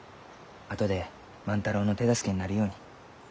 あとで万太郎の手助けになるように。